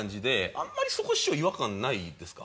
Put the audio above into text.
あんまりそこ師匠違和感ないですか？